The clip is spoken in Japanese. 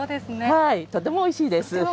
とてもおいしいです。